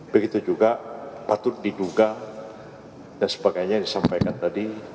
begitu juga patut diduga dan sebagainya yang disampaikan tadi